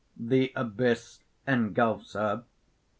(_The abyss engulfs her.